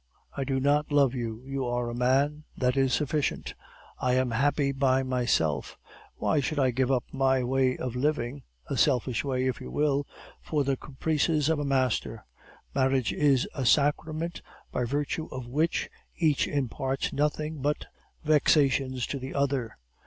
I do not love you; you are a man, that is sufficient. I am happy by myself; why should I give up my way of living, a selfish way, if you will, for the caprices of a master? Marriage is a sacrament by virtue of which each imparts nothing but vexations to the other.